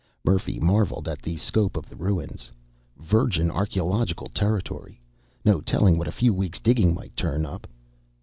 Murphy marvelled at the scope of the ruins. Virgin archaeological territory! No telling what a few weeks digging might turn up.